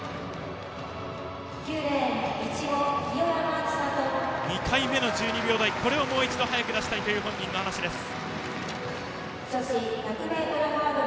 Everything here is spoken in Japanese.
清山ちさと、２回目の１２秒台をもう一度早く出したいという本人の話です。